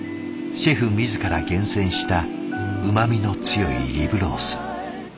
シェフ自ら厳選したうまみの強いリブロース。